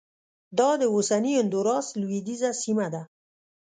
دا د اوسني هندوراس لوېدیځه سیمه ده